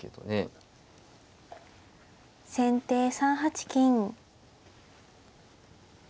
先手３八金。